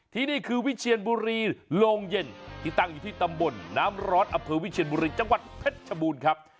ที่นี่คือวิเชียนบุรีโรงเย็นที่ตั้งอยู่ที่ตำบลน้ำร้อนอเภอวิเชียนบุรีจังหวัดเพชรชบูรณ์ครับ